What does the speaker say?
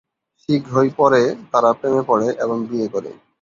শীঘ্রই পরে, তারা প্রেমে পড়ে এবং বিয়ে করে।